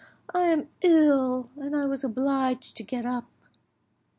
I am ill, and I was obliged to get up."